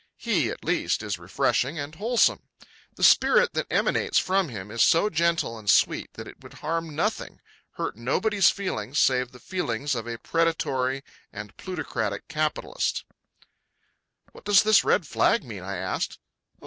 He, at least, is refreshing and wholesome. The spirit that emanates from him is so gentle and sweet that it would harm nothing, hurt nobody's feelings save the feelings of a predatory and plutocratic capitalist. "What does this red flag mean?" I asked.